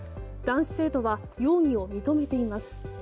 男子生徒は容疑を認めています。